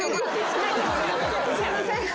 すいません。